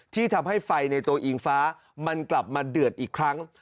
ที่ทำให้ไฟในตัวอิงฟ้ามันกลับมาเดือดอีกครั้ง